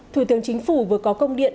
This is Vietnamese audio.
thủ tướng chính phủ vừa có công điện